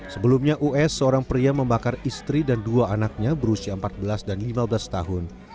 sebelumnya us seorang pria membakar istri dan dua anaknya berusia empat belas dan lima belas tahun